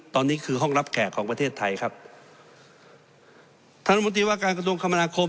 ตอนนี้คือห้องรับแขกของประเทศไทยครับท่านรัฐมนตรีว่าการกระทรวงคมนาคม